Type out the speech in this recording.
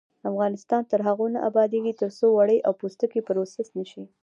افغانستان تر هغو نه ابادیږي، ترڅو وړۍ او پوستکي پروسس نشي.